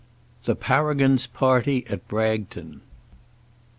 THE PARAGON'S PARTY AT BRAGTON.